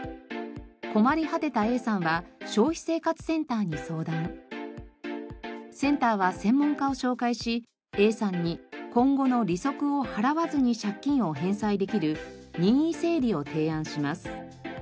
困り果てたＡさんはセンターは専門家を紹介しＡさんに今後の利息を払わずに借金を返済できる任意整理を提案します。